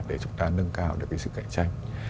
để chúng ta nâng cao được sự cạnh tranh